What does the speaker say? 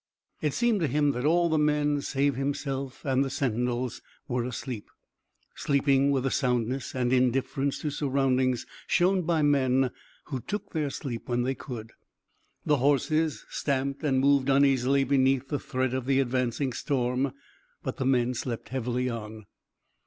It seemed to him that all the men, save himself and the sentinels, were asleep, sleeping with the soundness and indifference to surroundings shown by men who took their sleep when they could. The horses stamped and moved uneasily beneath the threat of the advancing storm, but the men slept heavily on.